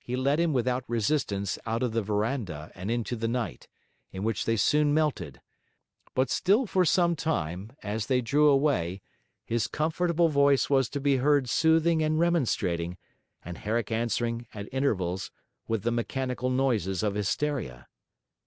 He led him without resistance out of the verandah and into the night, in which they soon melted; but still for some time, as they drew away, his comfortable voice was to be heard soothing and remonstrating, and Herrick answering, at intervals, with the mechanical noises of hysteria.